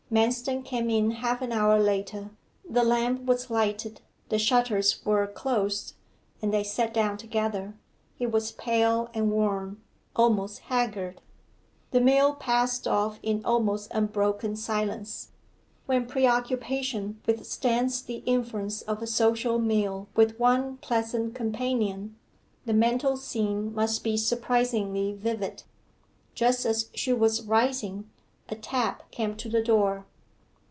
Manston came in half an hour later. The lamp was lighted, the shutters were closed, and they sat down together. He was pale and worn almost haggard. The meal passed off in almost unbroken silence. When preoccupation withstands the influence of a social meal with one pleasant companion, the mental scene must be surpassingly vivid. Just as she was rising a tap came to the door.